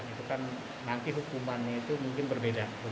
itu kan nanti hukumannya itu mungkin berbeda